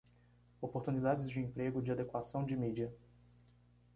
Oportunidades de emprego de adequação de mídia